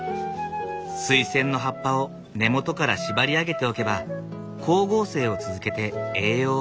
スイセンの葉っぱを根元から縛り上げておけば光合成を続けて栄養を作り出すという。